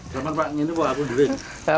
selamat pak ini buat aku dulu ya